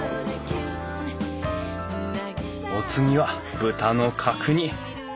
お次は豚の角煮。